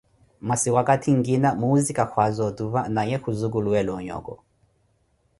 Masi wakathi nkina muusika khwaaza otuva na we khuzukuluwela onyoko.